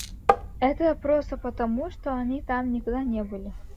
Это просто потому, что они там никогда не были.